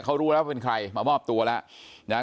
เขารู้แล้วเป็นใครมามอบตัวแล้ว